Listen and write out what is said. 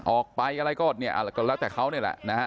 ออกไปอะไรก็เนี่ยก็แล้วแต่เขานี่แหละนะฮะ